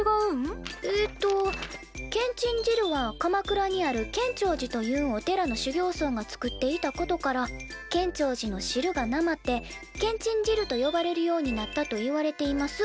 えっと「けんちん汁は鎌倉にある建長寺というお寺の修行僧が作っていたことから『建長寺の汁』がなまって『けんちん汁』と呼ばれるようになったといわれています」